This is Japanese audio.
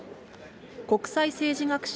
国際政治学者、